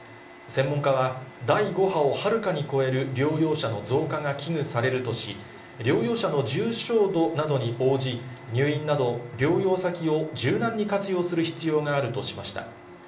専門家は、第５波をはるかに超える療養者の増加が危惧されるとし、療養者の重症度などに応じ、入院など、療養先を柔軟に活用する必要があるとしました。